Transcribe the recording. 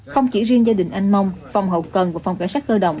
không chỉ riêng gia đình anh mông phòng hậu cần của phòng cảnh sát cơ động